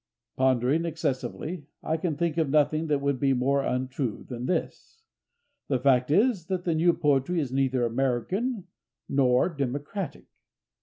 Pondering excessively, I can think of nothing that would be more untrue than this. The fact is that the new poetry is neither American nor democratic.